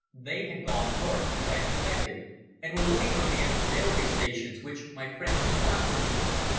They had gone north, as I expected, and were looking for me at the railway stations which my friends had marked for me.